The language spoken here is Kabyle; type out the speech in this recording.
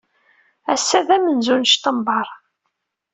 Ass-a d amenzu n Ctembeṛ.